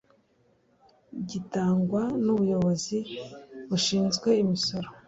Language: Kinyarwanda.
gitangwa n ubuyobozi bushinzwe imisoro